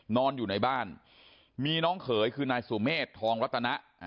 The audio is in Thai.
นอนอยู่ในบ้านมีน้องเขยคือนายสุเมฆทองรัตนะ